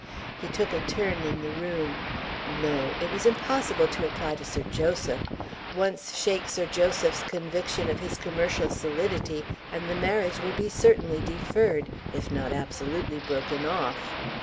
He took a turn in the room. No! It was impossible to apply to Sir Joseph. Once shake Sir Joseph's conviction of his commercial solidity, and the marriage would be certainly deferred if not absolutely broken off.